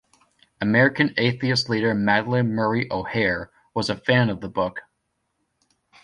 American Atheists leader Madalyn Murray O'Hair was a fan of the book.